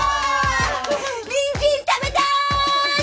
にんじん食べたい！